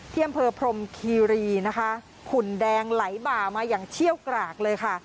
ที่อำเภอพรมคีรีนะคะขุนแดงไหลบ่ามาอย่างเชี่ยวกรากเลยค่ะ